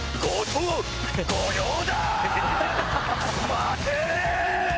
待て！